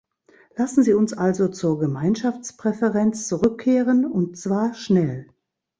Lassen Sie uns also zur Gemeinschaftspräferenz zurückkehren, und zwar schnell!